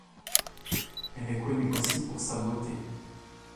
Elle est connue aussi pour sa beauté.